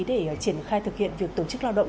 để triển khai thực hiện việc tổ chức lao động